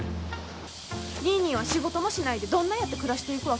ニーニーは仕事もしないでどんなやって暮らしていくわけ？